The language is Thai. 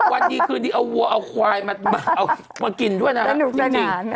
วันดีคืนนี้เอาวัวเอาควายมากินด้วยนะครับจริง